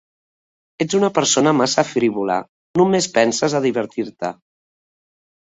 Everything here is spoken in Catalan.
Ets una persona massa frívola, només penses a divertir-te.